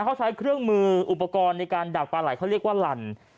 เขาใช้เครื่องมืออุปกรณ์ในการดักปลาไหลเขาเรียกว่าหลั่น